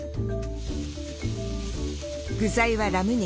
具材はラム肉。